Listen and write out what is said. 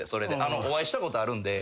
お会いしたことあるんで。